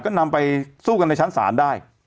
ก็นำไปสู้กันในชั้นศาลได้